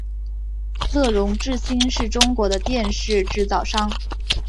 乐融致新是中国的电视制造商。